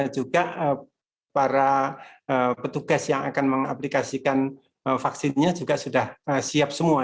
juga para petugas yang akan mengaplikasikan vaksinnya juga sudah siap semua